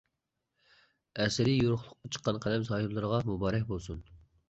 ئەسىرى يورۇقلۇققا چىققان قەلەم ساھىبلىرىغا مۇبارەك بولسۇن.